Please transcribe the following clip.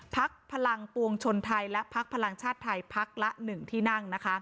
พักพลังปวงชนไทยและพักพลังชาติไทยพักละ๑ที่นั่ง